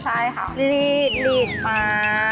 ใช่ค่ะรีดป๊าป๊า